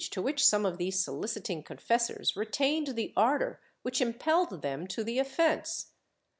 VI] PROCEDURE 119 which some of these soliciting confessors retained the ardor which impelled them to the offence.